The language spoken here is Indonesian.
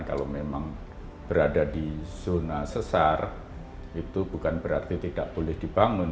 kalau memang berada di zona sesar itu bukan berarti tidak boleh dibangun